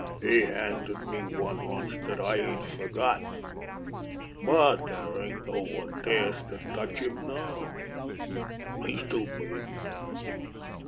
He handed me one once dat I ain't fergot. But dere ain't no one dares to touch him now—he's too big.